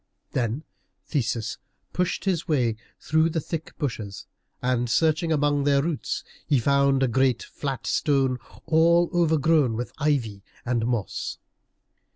Then Theseus pushed his way in through the thick bushes, and searching among their roots he found a great flat stone, all overgrown with ivy and moss.